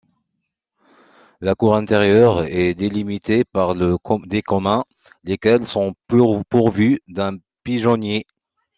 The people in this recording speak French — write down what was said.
La cour intérieure est délimitée par des communs, lesquels sont pourvus d'un pigeonnier.